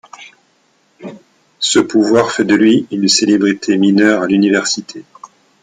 Ce pouvoir fait de lui une célébrité mineure à l'université.